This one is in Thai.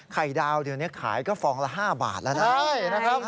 ไข่ดาวเดี๋ยวนี้ขายก็ฟองละ๕บาทแล้วนะ